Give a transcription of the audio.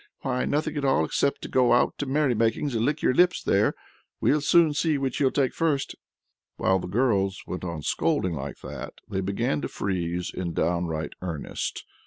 Why, nothing at all except to go out to merry makings and lick your lips there. We'll soon see which he'll take first!" While the girls went on scolding like that, they began to freeze in downright earnest.